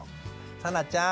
さなちゃん